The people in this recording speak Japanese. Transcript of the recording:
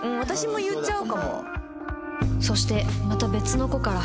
そしてまた別の子から